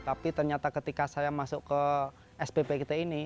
tapi ternyata ketika saya masuk ke spp kita ini